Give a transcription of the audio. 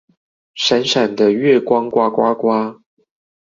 閃閃的月光呱呱呱